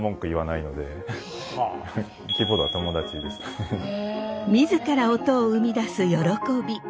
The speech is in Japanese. ずっと自ら音を生み出す喜び。